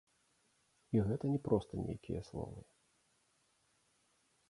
І гэта не проста нейкія словы.